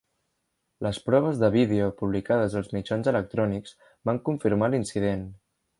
Les proves de vídeo publicades als mitjans electrònics van confirmar l'incident.